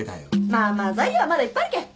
まあまあ材料はまだいっぱいあるけん。